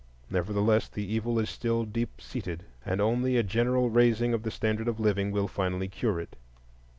Nevertheless, the evil is still deep seated, and only a general raising of the standard of living will finally cure it.